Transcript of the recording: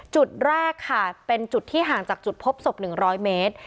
จุดแรกค่ะเป็นจุดที่ห่างจากจุดพบศพ๑๐๐เมตร